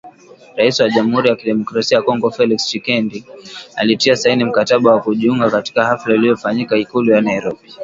Rais wa Jamhuri ya kidemokrasia ya Kongo Felix Tchisekedi alitia saini mkataba wa kujiunga, katika hafla iliyofanyika Ikulu ya Nairobi.